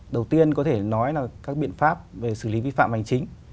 đầu tiên có thể nói là các biện pháp về xử lý vi phạm hành chính